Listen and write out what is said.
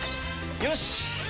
よし！